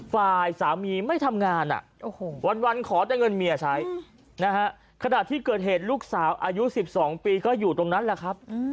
ฝ่ายสามีไม่ทำงานวันขอแต่เงินเมียใช้นะฮะขณะที่เกิดเหตุลูกสาวอายุ๑๒ปีก็อยู่ตรงนั้นแหละครับ